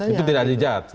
itu tidak di jad